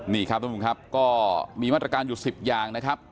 นี่ครับทุกผู้ชมครับก็มีมาตรการอยู่๑๐อย่างนะครับ